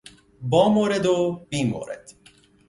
با مورد و بی مورد